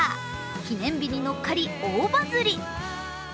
記念日にのっかり大バズり。